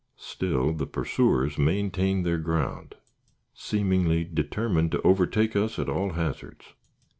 Still the pursuers maintained their ground, seemingly determined to overtake us at all hazards.